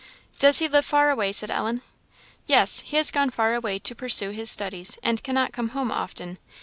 "Does he live far away?" said Ellen. "Yes he has gone far away to pursue his studies, and cannot come home often.